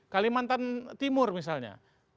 kalimantan timur misalnya